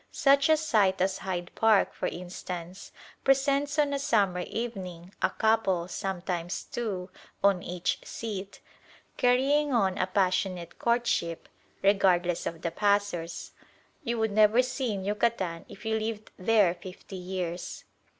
Such a sight as Hyde Park, for instance, presents on a summer evening, a couple, sometimes two, on each seat, carrying on a passionate courtship, regardless of the passers, you would never see in Yucatan if you lived there fifty years.